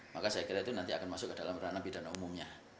maka saya kira itu nanti akan masuk ke dalam ranah pidana umumnya